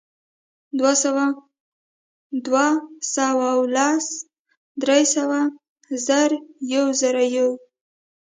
دوهسوه، دوه سوه او لس، درې سوه، زر، یوزرویو